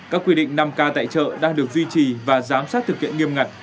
các quy định năm k tại chợ đang được duy trì và giám sát thực hiện nghiêm ngặt